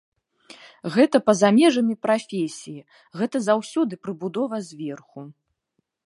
Гэта па-за межамі прафесіі, гэта заўсёды прыбудова зверху.